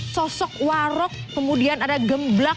sosok warok kemudian ada gemblak